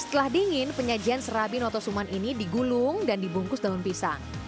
setelah dingin penyajian serabi noto suman ini digulung dan dibungkus daun pisang